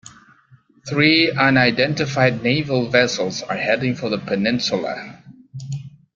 Three unidentified naval vessels are heading for the peninsula.